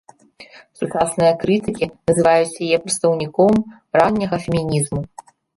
Сучасныя крытыкі называюць яе прадстаўніком ранняга фемінізму.